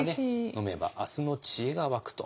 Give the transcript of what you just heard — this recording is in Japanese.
飲めば明日の知恵が湧くと。